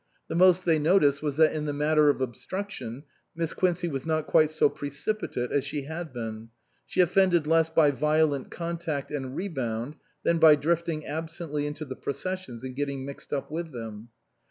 The most they noticed was that in the matter of obstruction Miss Quincey was not quite so precipitate as she had been. She offended less by violent contact and rebound than by drifting absently into the processions and getting mixed up with them.